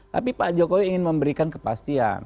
tapi pak jokowi ingin memberikan kepastian